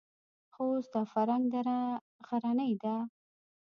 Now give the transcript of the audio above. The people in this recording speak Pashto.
خوست او فرنګ دره غرنۍ ده؟